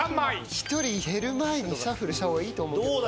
１人減る前にシャッフルした方がいいと思うけどな。